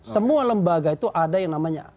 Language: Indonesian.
semua lembaga itu ada yang namanya